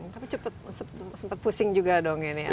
tapi cepet pusing juga dong ini